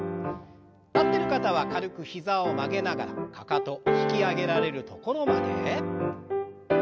立ってる方は軽く膝を曲げながらかかと引き上げられるところまで。